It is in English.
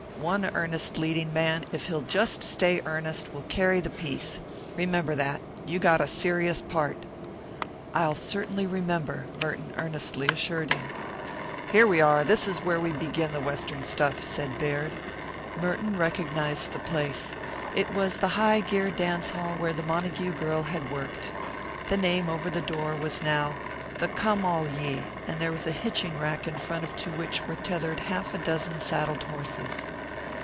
One earnest leading man, if he'll just stay earnest, will carry the piece. Remember that you got a serious part." "I'll certainly remember," Merton earnestly assured him. "Here we are; this is where we begin the Western stuff," said Baird. Merton recognized the place. It was the High Gear Dance Hall where the Montague girl had worked. The name over the door was now "The Come All Ye," and there was a hitching rack in front to which were tethered half a dozen saddled horses.